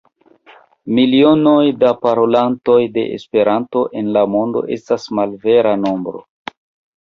Milionoj da parolantoj de Esperanto en la mondo estas malvera nombro.